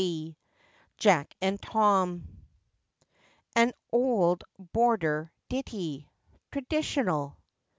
JACK AND TOM. AN OULD BORDER DITTIE. (TRADITIONAL.)